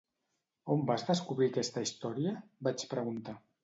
"On vas descobrir aquesta història?", vaig preguntar.